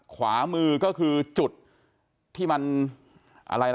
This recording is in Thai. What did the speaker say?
ขวามือก็คือจุดที่มันอะไรล่ะ